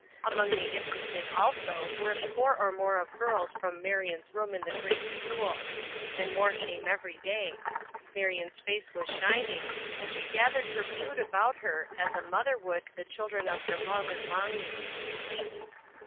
Among the interested also were a score or more of girls from Marion's room in the great school; and more came every day. Marion's face was shining, and she gathered her brood about her as a mother would the children of her love and longing.